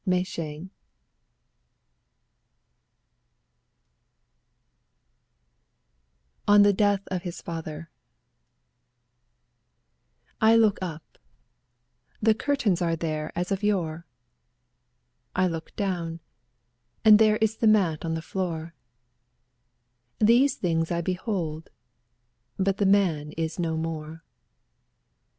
Mei Sheng 15 ON THE DEATH OF HIS FATHER I look up, the curtains are there as of yore; I look down, and there is the mat on the floor •, These things I behold, but the man is no more.